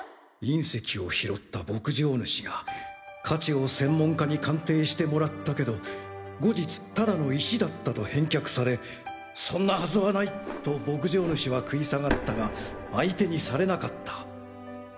隕石を拾った牧場主が価値を専門家に鑑定してもらったけど後日ただの石だったと返却され「そんなはずはない！」と牧場主は食い下がったが相手にされなかった。